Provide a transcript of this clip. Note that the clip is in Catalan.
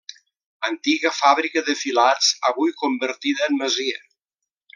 Antiga fàbrica de filats avui convertida en masia.